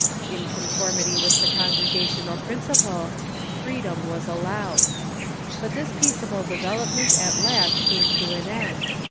In con formity with the Congregational principle, freedom was al lowed. But this peaceable development at last came to an end.